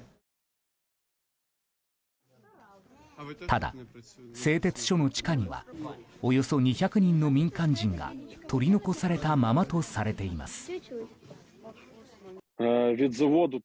ただ、製鉄所の地下にはおよそ２００人の民間人が取り残されたままとされています。